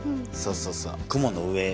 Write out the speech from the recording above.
そうそうそう。